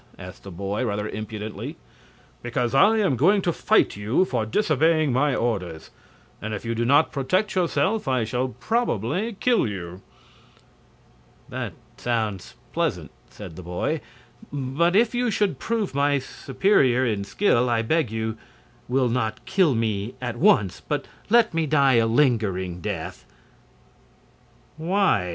asked the boy, rather impudently. "Because I am going to fight you for disobeying my orders; and if you do not protect yourself I shall probably kill you." "That sounds pleasant," said the boy. "But if you should prove my superior in skill I beg you will not kill me at once, but let me die a lingering death." "Why?"